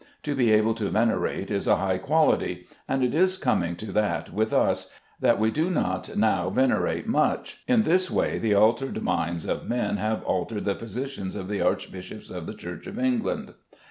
To be able to venerate is a high quality, and it is coming to that with us, that we do not now venerate much. In this way the altered minds of men have altered the position of the archbishops of the Church of England.